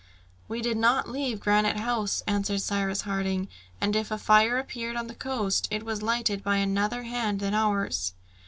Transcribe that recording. "We did not leave Granite House," answered Cyrus Harding, "and if a fire appeared on the coast, it was lighted by another hand than ours!"